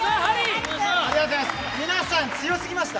皆さんすごすぎました。